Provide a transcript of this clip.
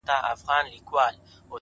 جواب را كړې ـ